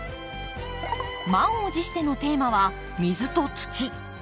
満を持してのテーマは水と土。